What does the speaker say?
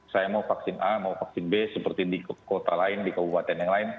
saya mau vaksin a mau vaksin b seperti di kota lain di kabupaten yang lain